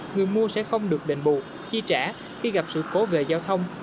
người mua sẽ không được đền bù chi trả khi gặp sự cố về giao thông